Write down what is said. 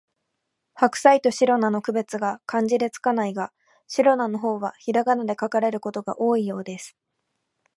ハクサイとシロナの区別が漢字で付かないが、シロナの方はひらがなで書かれることが多いようです